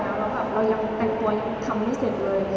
แล้วแบบเรายังแต่งตัวยังทำไม่เสร็จเลย